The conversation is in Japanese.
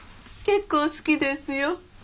結構好きですよ。